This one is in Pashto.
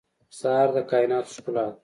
سهار د کایناتو ښکلا ده.